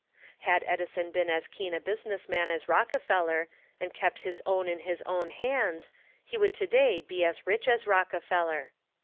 Had Edison been as keen a businessman as Rockefeller, and kept his own in his own hands, he would today be as rich as Rockefeller.